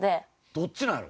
どっちなんやろ？